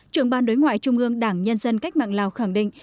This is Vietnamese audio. trưởng ban đối ngoại trung ương đảng nhân dân cách mạng lào khẳng định